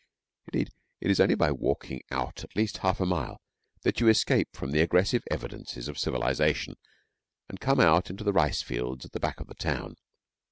Indeed, it is only by walking out at least half a mile that you escape from the aggressive evidences of civilisation, and come out into the rice fields at the back of the town.